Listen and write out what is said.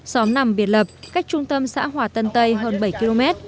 xóm nằm biệt lập cách trung tâm xã hòa tân tây hơn bảy km